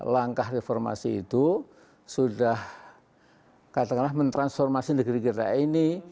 langkah reformasi itu sudah katakanlah mentransformasi negeri kita ini